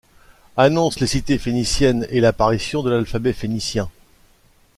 Annonce les cités phéniciennes et l'apparition de l'Alphabet phénicien.